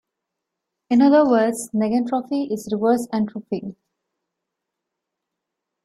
In other words, negentropy is reverse entropy.